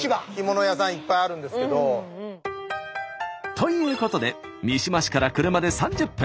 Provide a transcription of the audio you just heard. ということで三島市から車で３０分。